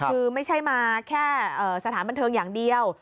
คือไม่ใช่มาแค่สถานบันเทิงอย่างเดียว